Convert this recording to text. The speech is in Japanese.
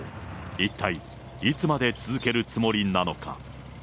一体いつまで続けるつもりなのか。